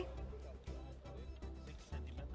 oke pak amali